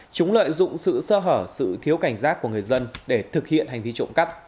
chúng lợi dụng sự sơ hở sự thiếu cảnh giác của người dân để thực hiện hành vi trộm cắp